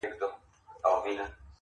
ته كه له ښاره ځې پرېږدې خپــل كــــــور.